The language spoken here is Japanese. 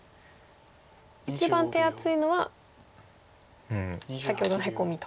一番手厚いのは先ほどのヘコミと。